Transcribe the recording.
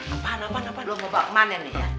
apaan apaan apaan lo mau bawa kemana nih ya